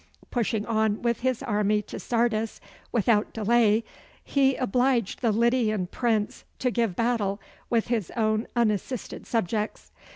Pushing on with his army to Sardis without delay, he obliged the Lydian prince to give battle with his own unassisted subjects.